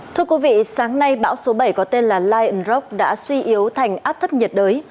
thưa quý vị sáng nay bão số bảy có tên là lionrok đã suy yếu thành áp thấp nhiệt đới